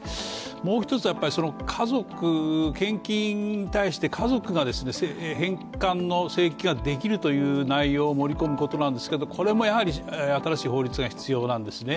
もう１つは、献金に対して家族が返還請求ができるという内容を盛り込むことなんですけどもこれもやはり新しい法律が必要なんですね。